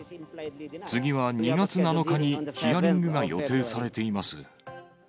次は２月７日にヒアリングが予定されています。